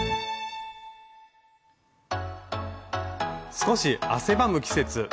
少し汗ばむ季節。